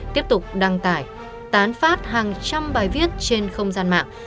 tiếp tục đăng tải tán phát hàng trăm bài viết trên không gian mạng